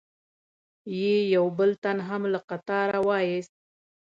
یې یو بل تن هم له قطاره و ایست.